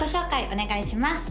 お願いします